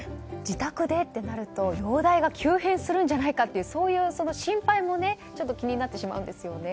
自宅でってなると容体が急変するんじゃないかとそういう心配もちょっと気になってしまうんですよね。